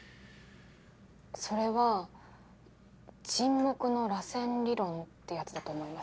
それは「沈黙の螺旋理論」ってやつだと思います。